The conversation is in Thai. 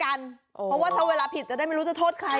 เพราะว่าถ้าเวลาผิดจะได้ไม่รู้จะโทษใคร